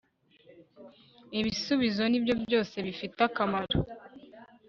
ibisubizo nibyo byose bifite akamaro